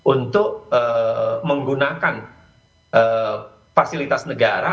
untuk menggunakan fasilitas negara